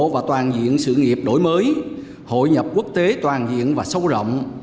và toàn diện sự nghiệp đổi mới hội nhập quốc tế toàn diện và sâu rộng